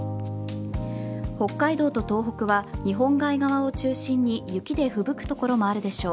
北海道と東北は日本海側を中心に雪でふぶく所もあるでしょう。